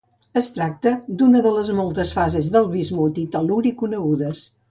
Es tracta d'una de les moltes fases de bismut i tel·luri conegudes.